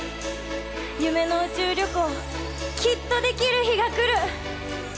夢の宇宙旅行きっと出来る日が来る。